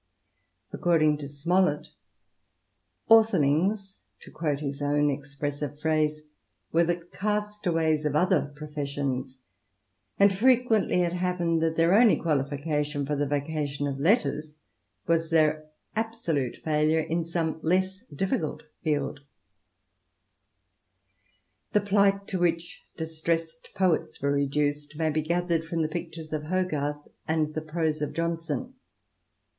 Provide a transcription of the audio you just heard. Accord ing to Smollett^ " Authorlings," to quote his own expressive phrase, were the castaways of other professions; and frequently it happened that their only qualification for the vocation of letters was their absolute failure in some less difficult field The plight to which "distressed poets" were reduced may be gathered from the pictures of Hogarth and the prose of Johnson.